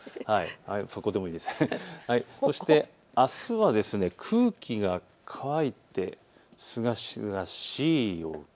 そしてあすは空気が乾いてすがすがしい陽気。